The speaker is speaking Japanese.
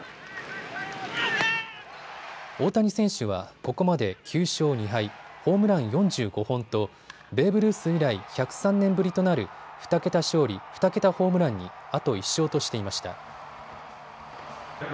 大谷選手はここまで９勝２敗、ホームラン４５本とベーブ・ルース以来、１０３年ぶりとなる２桁勝利、２桁ホームランにあと１勝としていました。